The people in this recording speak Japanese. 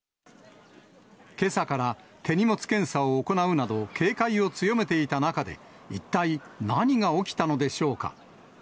けさから手荷物検査を行うなど、警戒を強めていた中で、一体、何が起きたのでしょうか。